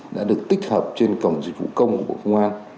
đã được tích hợp trên cổng dịch vụ công của bộ công an